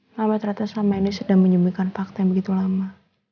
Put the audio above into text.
mama ternyata selama ini sudah menyembuhkan fakta yang begitu lama